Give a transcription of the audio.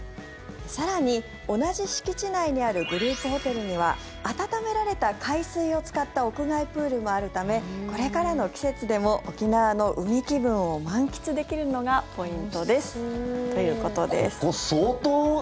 更に、同じ敷地内にあるグループホテルには温められた海水を使った屋外プールもあるためこれからの季節でも沖縄の海気分を満喫できるのがポイントですということです。